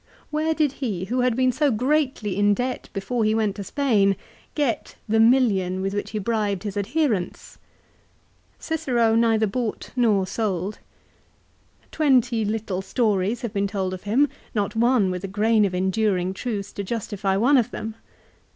Where did he, who had been so greatly in debt before he went to Spain, get the million with which he bribed his adherents ? Cicero neither bought nor sold. Twenty little stories have been told of him, not one with a grain of enduring truth to justify one of them.